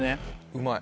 うまい。